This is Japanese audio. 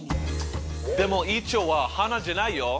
でもいちょうは花じゃないよ。